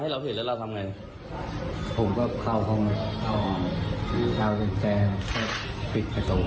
แล้วก็ปรับมองสมบัติ